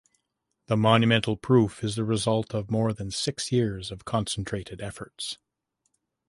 The monumental proof is the result of more than six years of concentrated efforts.